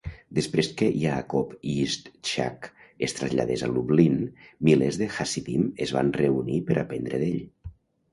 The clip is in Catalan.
Després que Yaakov Yitzchak es traslladés a Lublin, milers de hasidim es van reunir per aprendre d'ell.